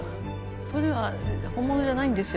それは本物じゃないんですよ。